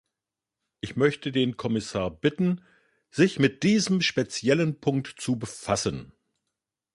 Ich möchte den Kommissar bitten, sich mit diesem speziellen Punkt zu befassen.